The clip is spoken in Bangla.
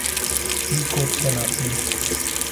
কী করছেন আপনি?